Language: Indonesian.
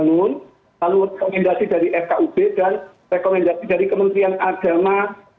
lalu rekomendasi dari fkub dan rekomendasi dari kementerian agama